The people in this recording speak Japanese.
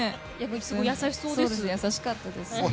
優しかったです。